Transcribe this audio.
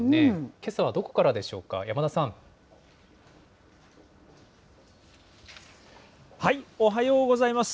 けさはどこからでしょうか、山田さん。おはようございます。